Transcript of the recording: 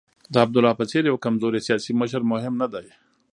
د عبدالله په څېر یو کمزوری سیاسي مشر مهم نه دی.